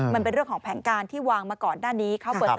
มันเป็นเรื่องของแผนการที่วางมาก่อนหน้านี้เขาเปิด